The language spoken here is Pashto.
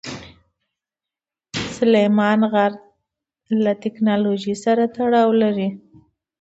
سلیمان غر له تکنالوژۍ سره تړاو لري.